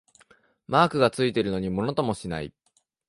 マークがついてるのにものともしない